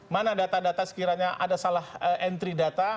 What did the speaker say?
mana data data sekiranya ada salah entry data